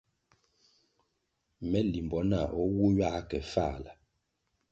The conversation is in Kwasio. Me limbo nah o wu ywa ke Fāla.